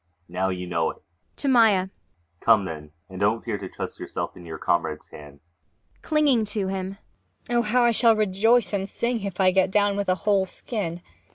Now, you know it. [To MAIA.] Come, then and don't fear to trust yourself in your comrade's hands. MAIA. [Clinging to him.] Oh, how I shall rejoice and sing, if I get down with a whole skin!